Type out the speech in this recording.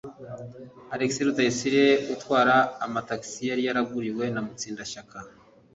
Alexis Rudasingwa atwara ama taxi yari yaraguriwe na Mutsindashyaka